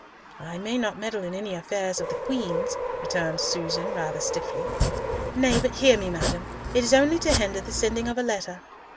"I may not meddle in any matters of the Queen's," returned Susan, rather stiffly. "Nay, but hear me, madam. It is only to hinder the sending of a letter."